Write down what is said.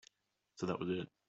So that was it.